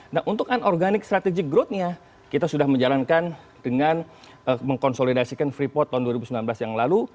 nah untuk unorganik strategik growthnya kita sudah menjalankan dengan mengkonsolidasikan free port tahun dua ribu sembilan belas yang lalu